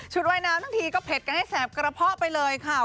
ว่ายน้ำทั้งทีก็เผ็ดกันให้แสบกระเพาะไปเลยค่ะ